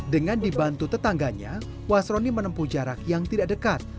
dengan dibantu tetangganya wasroni menempuh jarak yang tidak dekat